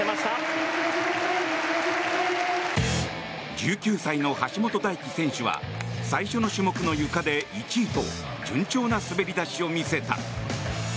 １９歳の橋本大輝選手は最初の種目のゆかで１位と順調な滑り出しを見せた。